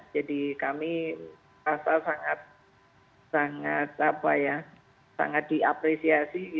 jadi kami rasa sangat diapresiasi